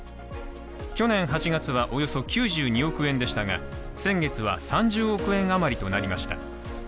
去年８月はおよそ９２億円でしたが先月は３０億円余りとなりました。